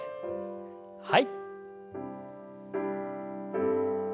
はい。